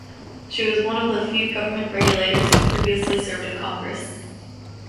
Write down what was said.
She was one of the few government regulators who previously served in Congress.